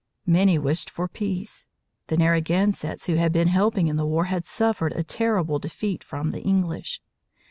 Many wished for peace. The Narragansetts who had been helping in the war had suffered a terrible defeat from the English.